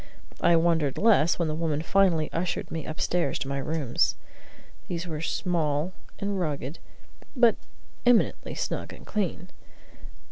I wondered less when the woman finally ushered me upstairs to my rooms. These were small and rugged, but eminently snug and clean.